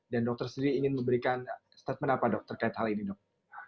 dan dokter sendiri ingin memberikan statement apa dok terkait hal ini dok